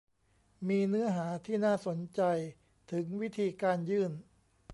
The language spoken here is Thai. มีเนื้อหาที่น่าสนใจถึงวิธีการยื่น